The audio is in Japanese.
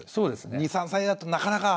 ２３歳だとなかなか。